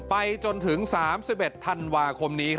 ไปจนถึง๓๑ธันวาคมนี้